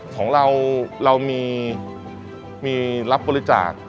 ของเราเรามีรับบริจาค